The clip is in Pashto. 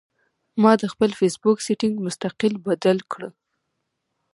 ما د خپل فېس بک سېټنګ مستقل بدل کړۀ